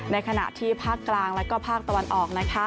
ในขณะที่ภาคกลางและภาคตะวันออก